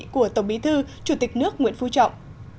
của tổng bí thư chủ tịch nước nguyễn phú trọng